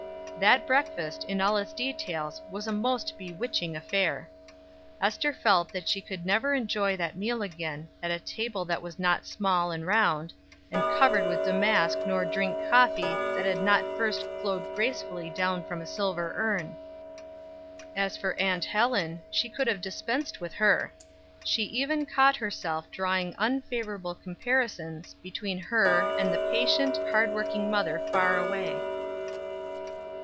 That breakfast, in all its details, was a most bewitching affair. Ester felt that she could never enjoy that meal again, at a table that was not small and round, and covered with damask nor drink coffee that had not first flowed gracefully down from a silver urn. As for Aunt Helen, she could have dispensed with her; she even caught herself drawing unfavorable comparisons between her and the patient, hardworking mother far away.